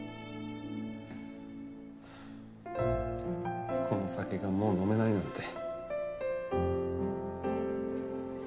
ハァこの酒がもう飲めないなんて。